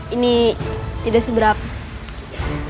ini tidak seberapa